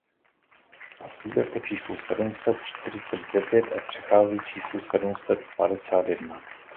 Následuje po číslu sedm set čtyřicet devět a předchází číslu sedm set padesát jedna.